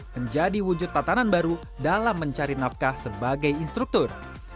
menjadi wujud tatanan baru dalam mencari nafkah sebagai instruktur